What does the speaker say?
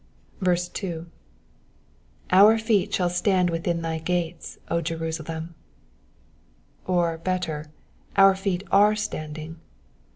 2. *'' Our feet shall stand within thy gates, Jerusalem;'*'* or, better, our feet are standing."